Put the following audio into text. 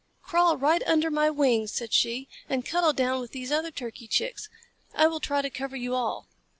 "Crawl right under my wings," said she, "and cuddle down with these other Turkey Chicks. I will try to cover you all."